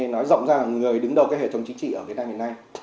nói rộng ra là người đứng đầu hệ thống chính trị ở việt nam hiện nay